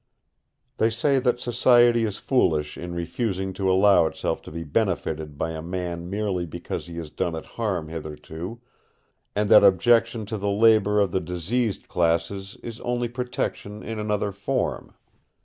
They say that society is foolish in refusing to allow itself to be benefited by a man merely because he has done it harm hitherto, and that objection to the labour of the diseased classes is only protection in another form.